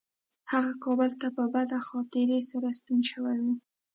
هغه کابل ته په بده خاطرې سره ستون شوی و.